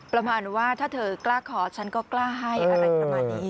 ประมาณว่าถ้าเธอกล้าขอฉันก็กล้าให้อะไรประมาณนี้